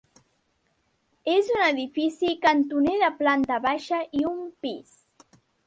És un edifici cantoner de planta baixa i un pis.